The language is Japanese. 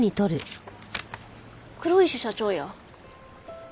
黒石社長や。